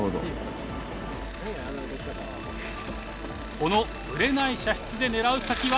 このブレない射出で狙う先は。